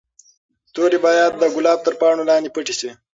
توري باید د ګلاب تر پاڼو لاندې پټې شي.